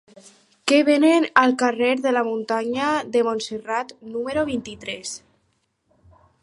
Què venen al carrer de la Muntanya de Montserrat número vint-i-tres?